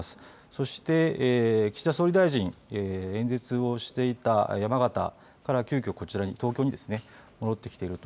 そして、岸田総理大臣、演説をしていた山形から急きょ、東京に戻ってきている。